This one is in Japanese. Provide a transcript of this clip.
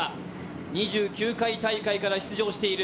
２９回大会から出場している。